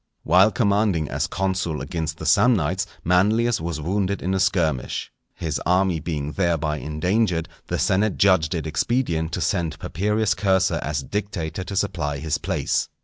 _ While commanding as consul against the Samnites, Manlius was wounded in a skirmish. His army being thereby endangered, the senate judged it expedient to send Papirius Cursor as dictator to supply his place.